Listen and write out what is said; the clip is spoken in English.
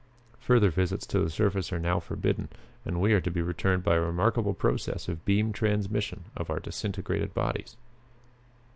Further visits to the surface are now forbidden, and we are to be returned by a remarkable process of beam transmission of our disintegrated bodies."